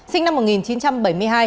sinh năm một nghìn chín trăm bảy mươi hai